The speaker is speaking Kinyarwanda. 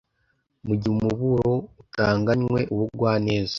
mu gihe umuburo utanganywe ubugwaneza,